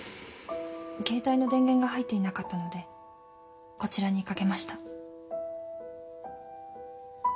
携帯の電源が入っていなかったのでこちらにかけました。